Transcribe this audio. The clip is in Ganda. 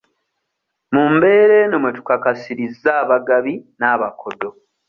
Mu mbeera eno mwe tukakasirizza abagabi n'abakodo.